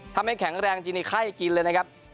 ทำให้แข็งแรงจริงไข้กินเลยนะครับ